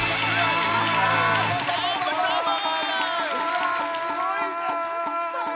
うわすごいね。